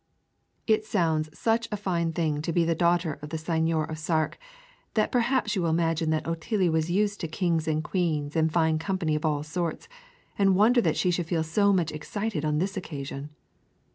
It sounds such a fine thing to be the daughter of the Seigneur of Sark, that perhaps you will imagine that Otillie was used to kings and queens and fine company of all sorts, and wonder that she should feel so much excited on this occasion.